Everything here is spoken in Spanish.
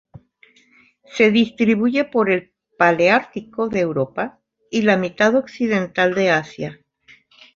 Se distribuye por el paleártico de Europa y la mitad occidental de Asia.